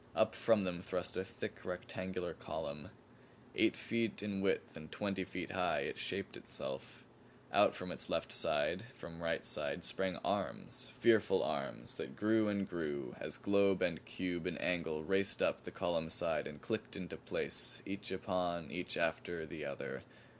Up from them thrust a thick rectangular column. Eight feet in width and twenty feet high, it shaped itself. Out from its left side, from right side, sprang arms fearful arms that grew and grew as globe and cube and angle raced up the column's side and clicked into place each upon, each after, the other.